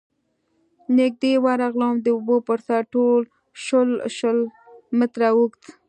، نږدې ورغلم، د اوبو پر سر تړل شوی شل متره اوږد،